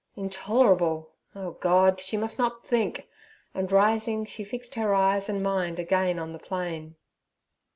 Intolerable! Oh God! she must not think, and, rising, she fixed her eyes and mind again on the plain.